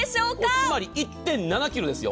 つまり１．７ｋｇですよ。